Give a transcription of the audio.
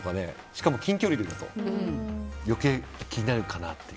しかも近距離だと余計気になるかなと。